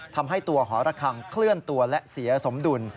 ทำให้ตัวหอระคังเคลื่อนตัวและเสียสมดุล